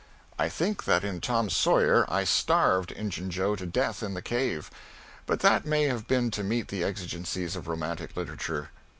I think that in "Tom Sawyer" I starved Injun Joe to death in the cave. But that may have been to meet the exigencies of romantic literature.